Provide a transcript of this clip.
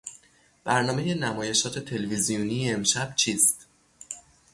برنامهی نمایشات تلویزیونی امشب چیست؟